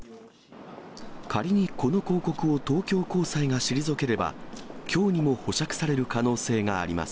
仮にこの抗告を東京高裁が退ければ、きょうにも保釈される可能性があります。